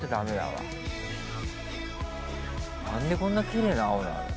「なんでこんなキレイな青なの？」